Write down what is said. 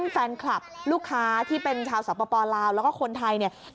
แฟนคลับลูกค้าที่เป็นชาวสปลาวแล้วก็คนไทยเนี่ย